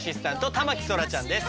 田牧そらちゃんです。